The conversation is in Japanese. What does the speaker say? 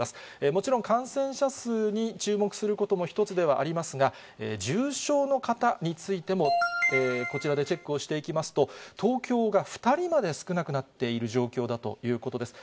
もちろん、感染者数に注目することも一つではありますが、重症の方についても、こちらでチェックをしていきますと、東京が２人まで少なくなっている状況だということです。